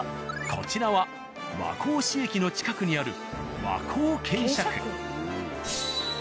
こちらは和光市駅の近くにある。